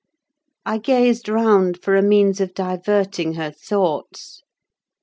I gazed round for a means of diverting her thoughts.